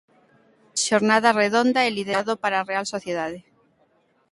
Xornada redonda e liderado para a Real Sociedade.